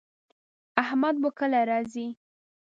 احمد به کله راځي